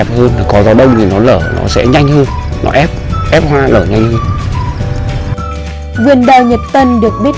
hơn là có gió đông thì nó lở nó sẽ nhanh hơn nó ép ép hoa lở nhanh hơn quyền đào nhật tân được biết